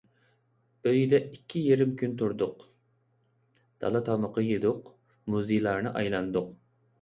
ئۆيىدە ئىككى يېرىم كۈن تۇردۇق، دالا تامىقى يېدۇق، مۇزېيلارنى ئايلاندۇق.